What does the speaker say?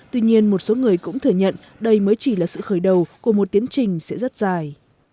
tuy nhiên một số người cũng thừa nhận đây mới chỉ là sự khởi đầu của một tiến trình sẽ rất dài